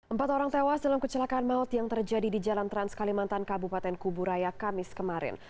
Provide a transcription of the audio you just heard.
empat orang tewas dalam kecelakaan maut yang terjadi di jalan trans kalimantan kabupaten kuburaya kamis kemarin